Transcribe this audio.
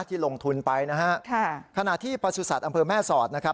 ที่ลงทุนไปนะฮะค่ะขณะที่ประสุทธิ์อำเภอแม่สอดนะครับ